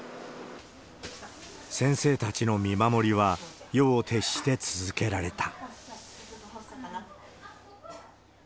先生たちの見守りは、夜を徹して続けられた。